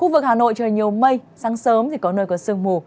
vùng hà nội trời nhiều mây sáng sớm thì có nơi có sương mù